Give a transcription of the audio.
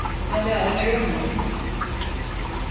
Hala acıyor mu?